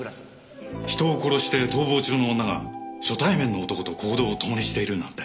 人を殺して逃亡中の女が初対面の男と行動を共にしているなんて。